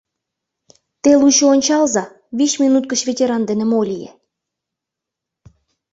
Те лучо ончалза, вич минут гыч ветеран дене мо лие.